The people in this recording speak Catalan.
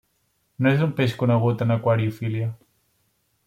No és un peix conegut en aquariofília.